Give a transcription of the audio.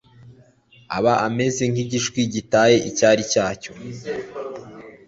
aba ameze nk’igishwi gitaye icyari cyacyo